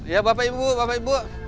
ya bapak ibu bapak ibu